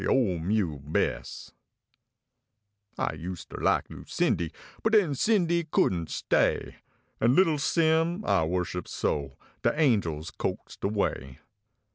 96 LIKE DE OLE MULE BES I used ter like Lucindy, but den Cindy couldn t stay, An little Sim, I worshipped so, de angels coaxed away.